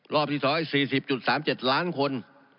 รอบที่๒๔๐๓๗ล้านคน